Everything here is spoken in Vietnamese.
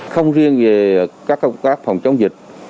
không riêng về các phòng chống dịch